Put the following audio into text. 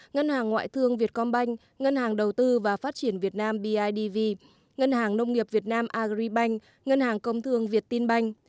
ngân hàng ngoại thương việt công banh ngân hàng đầu tư và phát triển việt nam bidv ngân hàng nông nghiệp việt nam agribank ngân hàng công thương việt tin banh